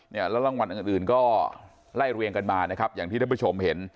แล้วรางวัลอื่นก็ไล่เรียงกันมานะครับอย่างที่ท่านผู้ชมเห็น